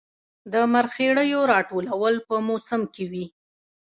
د مرخیړیو راټولول په موسم کې وي